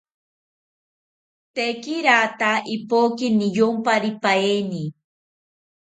Tekirata ipoki niyomparipaeni